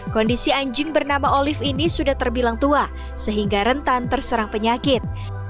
kondisi anjing bernama olive ini sudah terbilang tua sehingga rentan terserang penyakit